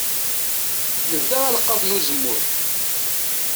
Nebda alqaḍ n uzemmur.